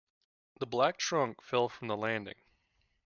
The black trunk fell from the landing.